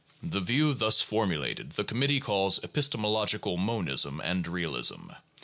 The view thus formulated the Committee calls ' Epistemological Monism and Realism.'